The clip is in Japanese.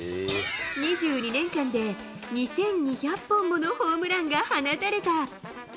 ２２年間で２２００本ものホームランが放たれた。